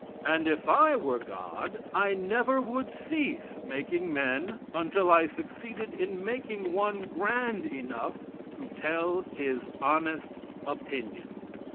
And, if I were God, I never would cease making men until I succeeded in making one grand enough to tell his honest opinion.